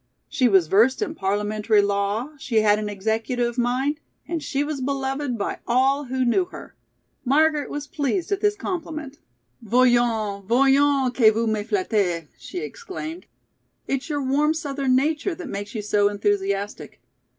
She was versed in parliamentary law, she had an executive mind, and she was beloved by all who knew her." Margaret was pleased at this compliment. "Voyons, voyons, que vous me flattez!" she exclaimed. "It's your warm Southern nature that makes you so enthusiastic.